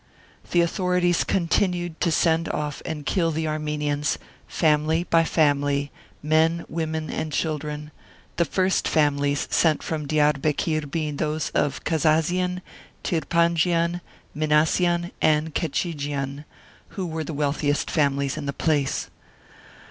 The authorities continued to send off and kill the Armenians, family by family, men, women and children, ^the first families sent from Diarbekir being those of Kazazian, Tirpanjian, Minassian, and Kechijian, who were the wealthiest families in the place.